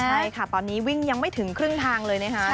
ใช่ค่ะตอนนี้วิ่งยังไม่ถึงครึ่งทางเลยนะคะ